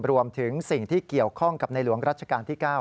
รวมถึงสิ่งที่เกี่ยวข้องกับในหลวงรัชกาลที่๙